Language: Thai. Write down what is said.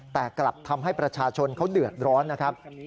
แต่กลับทำให้ประชาชนเขาเดือดร้อนนะครับ